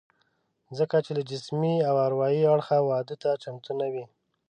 ځکه چې له جسمي او اروايي اړخه واده ته چمتو نه وي